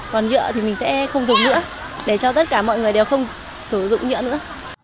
còn nhựa thì mình sẽ không dùng nữa để cho tất cả mọi người đều không sử dụng nhựa nữa